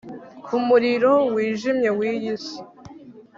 ku muriro wijimye w'iyi si